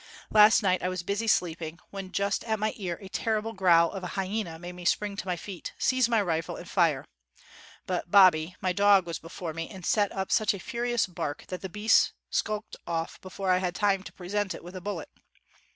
Last night I was busy sleeping, when just at my ear a terrible growl of a hyena made me spring to my feet, seize my rifle and fire ; but ' Bobby, ' my dog, was before me, and set up such a furious bark that the beast skulked off before I had time to present it with a bullet.